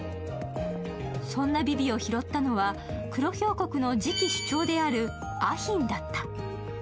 そんなビビを拾ったのは黒ヒョウ国の次期首長であるアヒンだった。